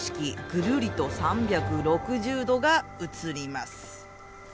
ぐるりと３６０度が映ります。